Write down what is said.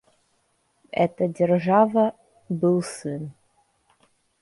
Эта держава — был сын.